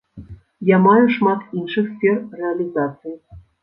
Я маю шмат іншых сфер рэалізацыі.